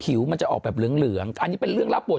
ผิวมันจะออกเหลืองอันนี้เป็นเรื่องรับบท